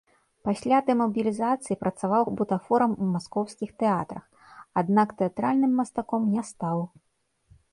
Пасля дэмабілізацыі працаваў бутафорам у маскоўскіх тэатрах, аднак тэатральным мастаком не стаў.